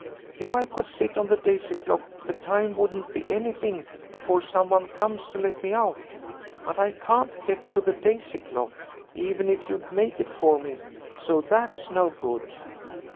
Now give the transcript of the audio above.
If I could sit on the daisy clock the time wouldn't be anything before some one comes to let me out. But I can't get to the daisy clock, even if you'd make it for me. So that's no good."